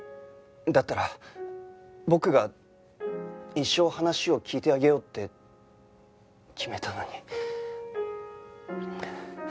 だったら僕が一生話を聞いてあげようって決めたのに。